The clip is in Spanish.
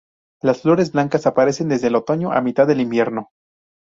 Las flores blancas aparecen desde el otoño a mitad del invierno.